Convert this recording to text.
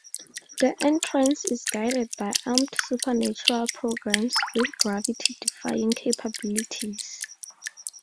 The entrance is guarded by armed supernatural programs with gravity-defying capabilities.